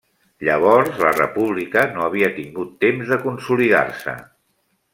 Llavors la República no havia tingut temps de consolidar-se.